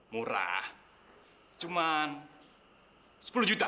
murah cuma sepuluh juta